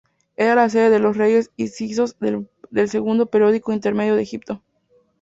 Era la sede de los reyes hicsos del segundo periodo intermedio de Egipto.